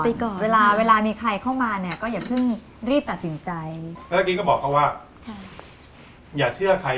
พี่ฮายไม่เคยเชื่อในสิ่งที่เห็นเลย